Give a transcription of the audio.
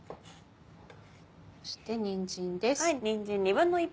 そしてにんじんです。